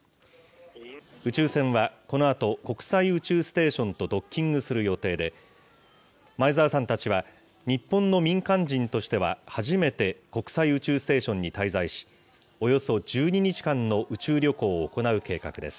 宇宙船はこのあと、国際宇宙ステーションとドッキングする予定で、前澤さんたちは、日本の民間人としては初めて国際宇宙ステーションに滞在し、およそ１２日間の宇宙旅行を行う計画です。